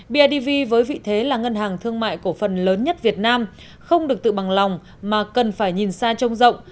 bidv với vị thế là ngân hàng thương mại cổ phần lớn nhất việt nam không được tự bằng lòng mà cần phải nhìn xa trông rộng